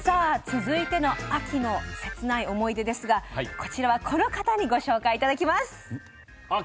続いての「秋の切ない思い出」ですがこちらはこの方にご紹介いただきます。